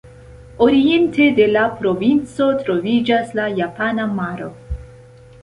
Oriente de la provinco troviĝas la Japana Maro.